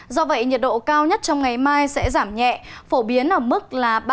do vậy nhiệt độ cao nhất trong ngày mai sẽ giảm nhẹ phổ biến ở mức ba mươi ba